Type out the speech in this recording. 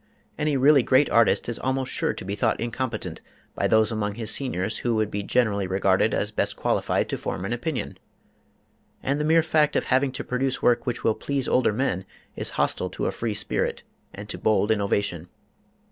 Any really great artist is almost sure to be thought incompetent by those among his seniors who would be generally regarded as best qualified to form an opinion. And the mere fact of having to produce work which will please older men is hostile to a free spirit and to bold innovation.